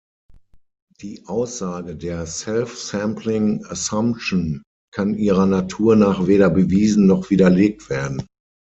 Die Aussage der "self-sampling assumption" kann ihrer Natur nach weder bewiesen noch widerlegt werden.